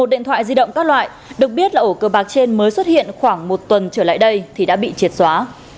một điện thoại di động các loại được biết là ổ cơ bạc trên mới xuất hiện khoảng một tuần trở lại đây thì đã bị triệt xóa